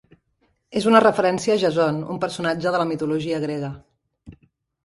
És una referència a Jason, un personatge de la mitologia grega.